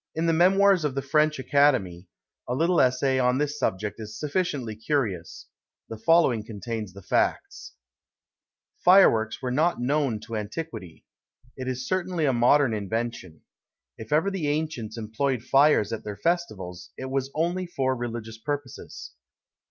In the Memoirs of the French Academy, a little essay on this subject is sufficiently curious; the following contains the facts: FIREWORKS were not known to antiquity. It is certainly a modern invention. If ever the ancients employed fires at their festivals, it was only for religious purposes.